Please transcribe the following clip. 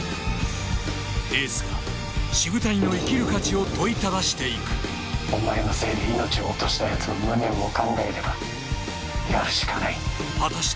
エースが渋谷の生きる価値を問いただしていくお前のせいで命を落としたやつの無念を考えればやるしかない果たして